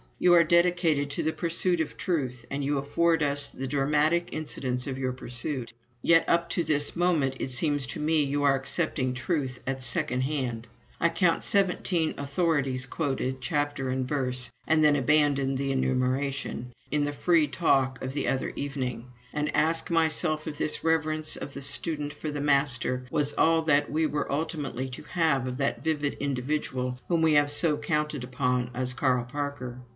You are dedicated to the pursuit of Truth, and you afford us the dramatic incidents of your pursuit. Yet up to this moment it seems to me you are accepting Truth at second hand. I counted seventeen "authorities" quoted, chapter and verse (and then abandoned the enumeration), in the free talk of the other evening; and asked myself if this reverence of the student for the master, was all that we were ultimately to have of that vivid individual whom we had so counted upon as Carl Parker?